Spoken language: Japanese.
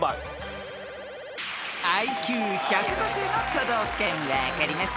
［ＩＱ１５０の都道府県分かりますか？］